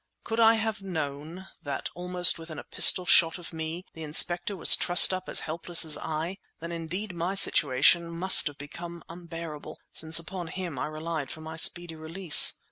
Could I have known that almost within pistol shot of me the Inspector was trussed up as helpless as I, then indeed my situation must have become unbearable, since upon him I relied for my speedy release.